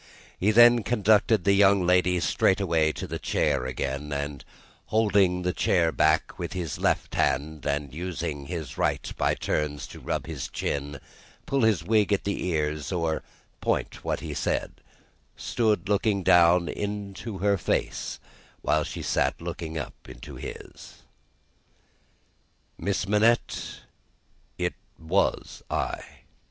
He then conducted the young lady straightway to her chair again, and, holding the chair back with his left hand, and using his right by turns to rub his chin, pull his wig at the ears, or point what he said, stood looking down into her face while she sat looking up into his. "Miss Manette, it was I.